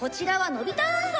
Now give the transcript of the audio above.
「のび太運送！」